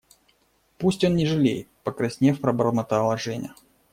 – Пусть он не жалеет, – покраснев, пробормотала Женя.